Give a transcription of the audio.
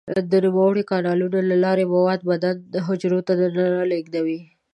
د نوموړو کانالونو له لارې مواد د بدن د حجرو دننه لیږدوي.